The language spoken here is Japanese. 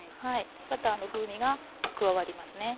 バターの風味が加わりますね。